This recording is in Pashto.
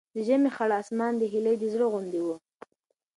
د ژمي خړ اسمان د هیلې د زړه غوندې و.